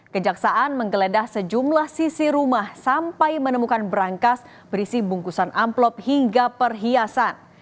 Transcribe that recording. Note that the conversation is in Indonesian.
kejaksaan menggeledah sejumlah sisi rumah sampai menemukan berangkas berisi bungkusan amplop hingga perhiasan